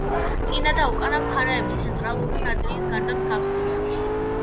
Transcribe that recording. წინა და უკანა მხარეები ცენტრალური ნაწილის გარდა მსგავსია.